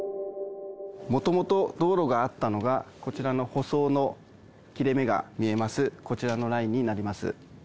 もともと道路があったのが、こちらの舗装の切れ目が見えます、こちらのラインになります。